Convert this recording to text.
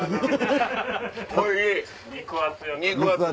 肉厚。